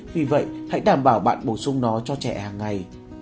vì vậy hãy đảm bảo bạn bổ sung nó cho trẻ hàng ngày